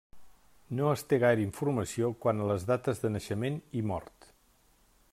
No es té gaire informació quant a les dates de naixement i mort.